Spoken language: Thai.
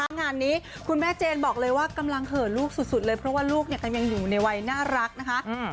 งานนี้คุณแม่เจนบอกเลยว่ากำลังเห่อลูกสุดเลยเพราะว่าลูกกำลังอยู่ในวัยน่ารักนะคะ